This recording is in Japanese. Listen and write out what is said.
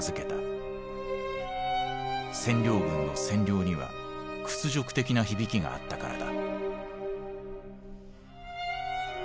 「占領軍」の「占領」には屈辱的な響きがあったからだ。